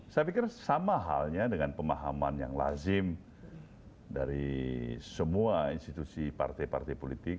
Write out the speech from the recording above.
saya pikir sama halnya dengan pemahaman yang lazim dari semua institusi partai partai politik